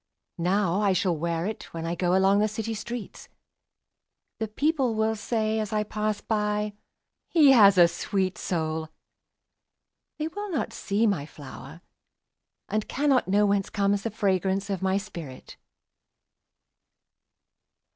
Now I shall wear itWhen I goAlong the city streets:The people will sayAs I pass by—"He has a sweet soul!"They will not see my flower, And cannot knowWhence comes the fragrance of my spirit!